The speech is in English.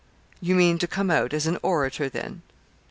'You mean to come out as an orator, then?'